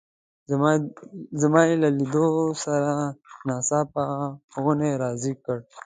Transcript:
زما یې له لیدو سره ناڅاپه غونی را زېږ کړ.